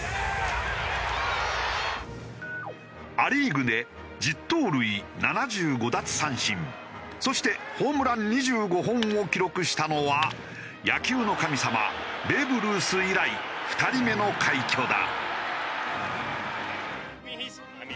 ア・リーグで１０盗塁７５奪三振そしてホームラン２５本を記録したのは野球の神様ベーブ・ルース以来２人目の快挙だ。